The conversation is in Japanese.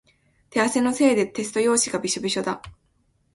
手汗のせいでテスト用紙がびしょびしょだ。